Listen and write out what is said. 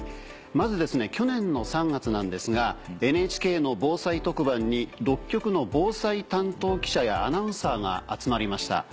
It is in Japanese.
まずですね去年の３月なんですがＮＨＫの防災特番に６局の防災担当記者やアナウンサーが集まりました。